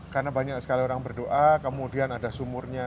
karena banyak sekali orang berdoa kemudian ada sumurnya